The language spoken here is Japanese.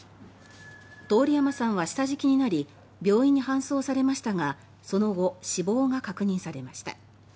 通山さんは下敷きになり病院に搬送されましたがその後、死亡が確認されました。